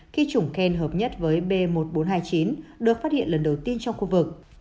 khi chủng khen hợp nhất với b một bốn hai chín được phát hiện lần đầu tiên trong khu vực